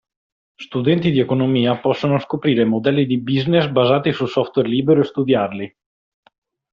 Studenti di economia possono scoprire modelli di business basati sul software libero e studiarli.